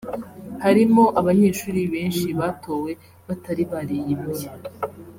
Harimo abanyeshuri benshi batowe batari bariyimuye